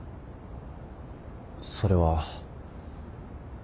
それは。